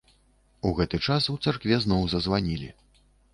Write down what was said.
У гэты час у царкве зноў зазванілі.